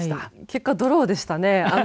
結果、ドローでしたね。